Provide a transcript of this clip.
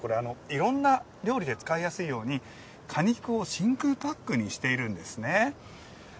いろんな料理で使いやすいように果肉を真空パックにしているんですね。